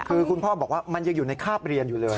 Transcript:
คือคุณพ่อบอกว่ามันยังอยู่ในคาบเรียนอยู่เลย